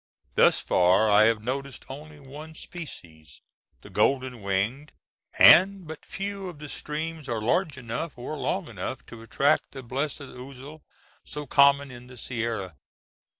Thus far I have noticed only one species, the golden winged; and but few of the streams are large enough or long enough to attract the blessed ousel, so common in the Sierra.